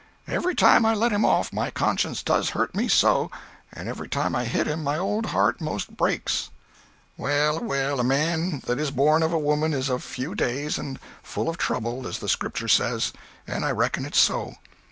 Every time I let him off, my conscience does hurt me so, and every time I hit him my old heart most breaks. Well a well, man that is born of woman is of few days and full of trouble, as the Scripture says, and I reckon it's so.